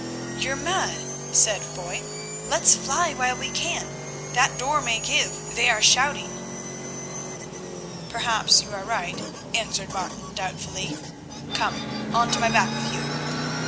"You're mad," said Foy; "let's fly while we can. That door may give—they are shouting." "Perhaps you are right," answered Martin doubtfully. "Come. On to my back with you."